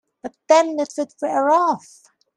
But then it would wear off.